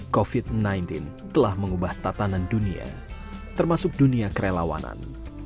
covid sembilan belas telah mengubah tatanan dunia termasuk dunia kerelawanan